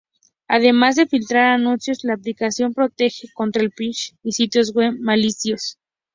Además de filtrar anuncios, la aplicación protege contra el phishing y sitios web maliciosos.